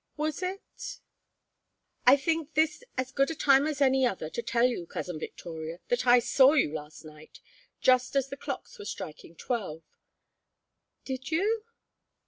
"Was it?" "I think this as good a time as any other to tell you, Cousin Victoria, that I saw you last night just as the clocks were striking twelve." "Did you?"